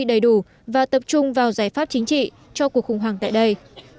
đầy đủ và tập trung vào giải pháp chính trị cho cuộc khủng hoảng tại đây